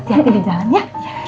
tiap tiap di jalan ya